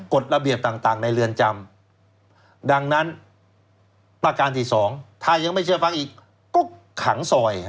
กฎระเบียบต่างในเรือนจำดังนั้นประการที่สองถ้ายังไม่เชื่อฟังอีกก็ขังซอย